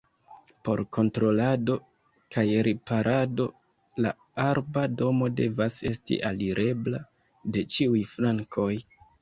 Por kontrolado kaj riparado la arba domo devas esti alirebla de ĉiuj flankoj.